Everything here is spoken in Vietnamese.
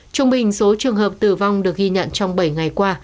trung bình số trường hợp tử vong được ghi nhận trong bảy ngày qua